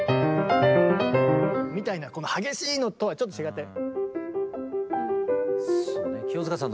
みたいな激しいのとはちょっと違って。